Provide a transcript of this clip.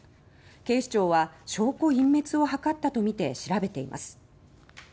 警視庁は証拠隠滅を図ったとみて調べています。